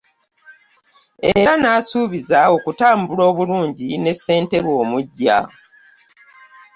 Era n'asuubiza okutambula obulungi ne ssentebe omuggya.